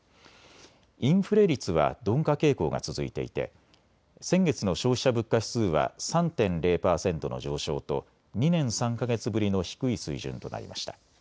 インフレ率は鈍化傾向が続いていて先月の消費者物価指数は３．０％の上昇と２年３か月ぶりの低い水準となりました。